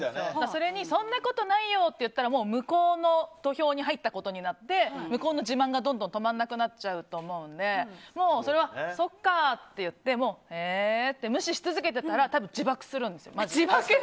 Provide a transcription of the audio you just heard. それにそんなことないよと言ったら向こうの土俵に入ったことになって向こうの自慢がどんどん止まらなくなっちゃうと思うのでそれはそっかって言ってへえって無視し続けていたら自爆するんですよ。